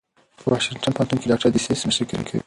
په واشنګټن پوهنتون کې ډاکټر ډسیس مشري کوي.